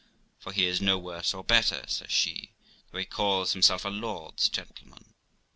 ' For he is no worse or better', says she, 'though he calls himself a lord's gentleman.